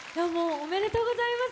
おめでとうございます。